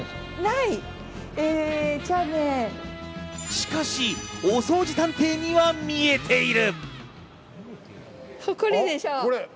しかし、お掃除探偵には見えている。